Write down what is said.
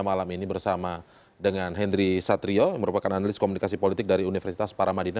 pertama kali kita bersama dengan hedri satrio analis komunikasi politik dari universitas paramadina